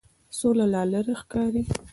سوله لا لرې ښکاري.